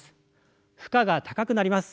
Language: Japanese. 負荷が高くなります。